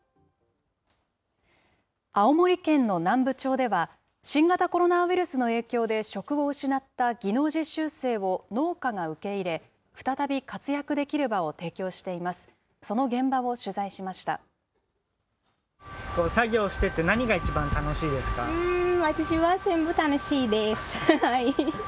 青森県の南部町では、新型コロナウイルスの影響で、職を失った技能実習生を農家が受け入れ、再び活躍できる場を提供しています。